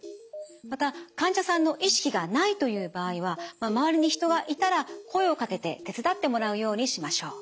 また患者さんの意識がないという場合は周りに人がいたら声をかけて手伝ってもらうようにしましょう。